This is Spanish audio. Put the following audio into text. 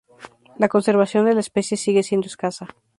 La conservación de la especie sigue siendo escasa.